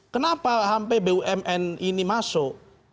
kenapa sampai bumn ini masuk